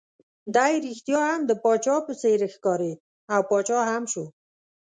دی ريښتیا هم د پاچا په څېر ښکارېد، او پاچا هم شو.